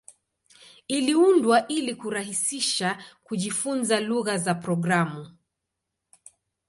Iliundwa ili kurahisisha kujifunza lugha za programu.